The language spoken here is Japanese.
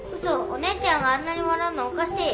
お姉ちゃんがあんなにわらうのおかしい。